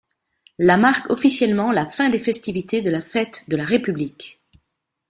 La marque officiellement la fin des festivités de la fête de la République.